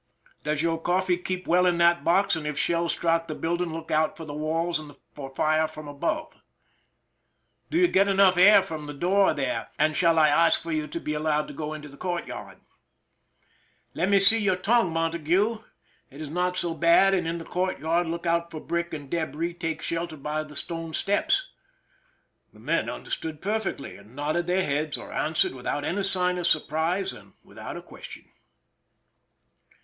" Does your coffee keep well in that box, and if shells strike the building look out for the walls and for fire from above ?"" Do you get enough air from the door here, and I shall ask for you to be allowed 262 PRISON LIFE THE SIEGE to go into the courtyard?" "Let me see your tongue, Montague. It is not so bad, and in the courtyard look out for brick and debris ; take shel ter by the stone steps." The men understood per fectly, and nodded their heads or answered without any sign of surprise and without a question.